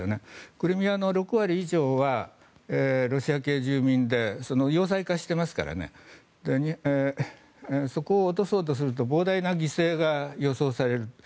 クリミアの６割以上はロシア系住民で要塞化していますからそこを落とそうとすると膨大な犠牲が予想される。